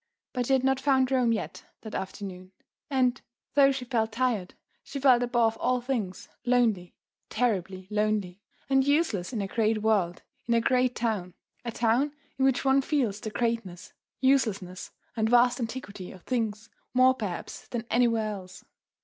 But she had not found Rome yet that afternoon. And, though she felt tired, she felt above all things lonely, terribly lonely and useless in a great world, in a great town, a town in which one feels the greatness, uselessness and vast antiquity of things more perhaps than anywhere else.